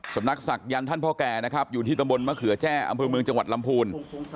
สำนักศักยันต์ท่านพ่อแก่นะครับอยู่ที่ตำบลมะเขือแจ้อำเภอเมืองจังหวัดลำพูน